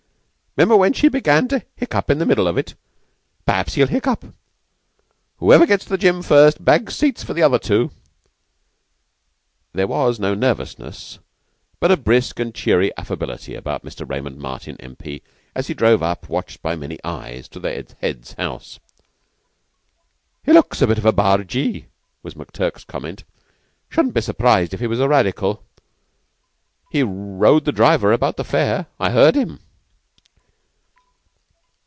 'Member when she began to hiccough in the middle of it? P'raps he'll hiccough. Whoever gets into the Gym first, bags seats for the other two." There was no nervousness, but a brisk and cheery affability about Mr. Raymond Martin, M.P., as he drove up, watched by many eyes, to the Head's house. "Looks a bit of a bargee," was McTurk's comment. "Shouldn't be surprised if he was a Radical. He rowed the driver about the fare. I heard him."